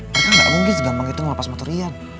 mereka gak mungkin segampang itu ngelapas motor ian